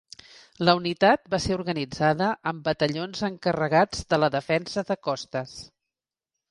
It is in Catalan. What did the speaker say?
La unitat va ser organitzada amb batallons encarregats de la Defensa de Costes.